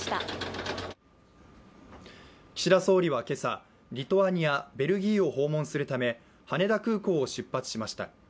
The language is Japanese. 岸田総理は今朝、リトアニア、ベルギーを訪問するため羽田空港を出発しました。